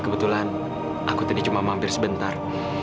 kebetulan aku tadi cuma mampir sebentar